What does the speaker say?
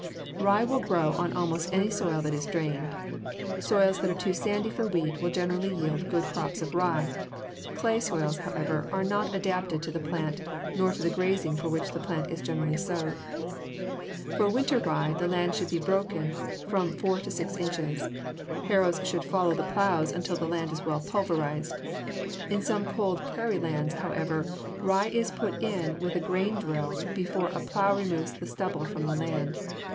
Rye will grow on almost any soil that is drained. Soils that are too sandy for wheat will generally yield good crops of rye. Clay soils, however, are not adapted to the plant nor to the grazing for which the plant is generally sowed. For winter rye the land should be broken from four to six inches. Harrows should follow the plows until the land is well pulverized. In some cold prairie lands, however, rye is put in with a grain drill before a plow removes the stubble from the land.